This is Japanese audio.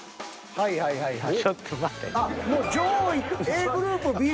はいはいはいはい。